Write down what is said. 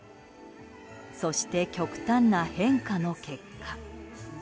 そして極端な変化の結果。